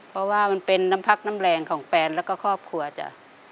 เพราะว่ามันเป็นน้ำพักน้ำแรงของแฟนแล้วก็ครอบครัวจ้ะ